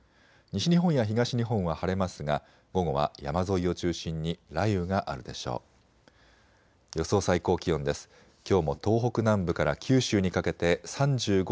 西日本や東日本は晴れますが午後は山沿いを中心に雷雨があるでしょう。